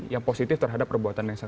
yang positif terhadap perbuatan yang satu